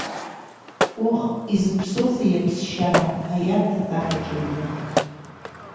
Оҳ, изыԥсоузеи аԥсшьара, аиарҭа татаҿ аҩны!